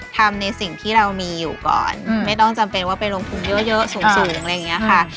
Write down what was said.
ทำในสิ่งที่เรามีอยู่ก่อนไม่ต้องจำเป็นว่าไปลงทุนเยอะสูงอะไรอย่างนี้ค่ะ